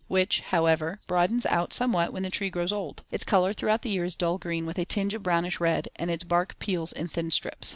11, which, however, broadens out somewhat when the tree grows old. Its color throughout the year is dull green with a tinge of brownish red, and its bark peels in thin strips.